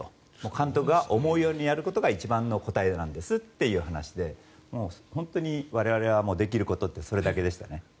監督が思うようにやることが一番の答えなんですという話で本当に我々は、できることってそれだけでしたね。